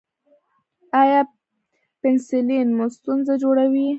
ایا پنسلین مو ستونزه جوړوي؟